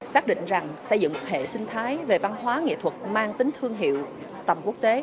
xác định rằng xây dựng một hệ sinh thái về văn hóa nghệ thuật mang tính thương hiệu tầm quốc tế